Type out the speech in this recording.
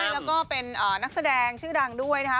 แล้วก็เป็นนักแสดงชื่อดังด้วยนะคะ